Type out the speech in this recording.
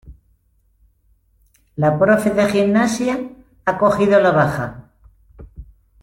La profe de gimnasia ha cogido la baja.